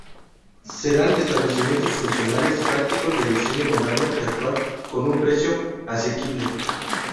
Serán establecimientos funcionales, prácticos, de diseño moderno y actual con un precio asequible.